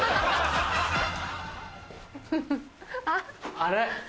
あれ？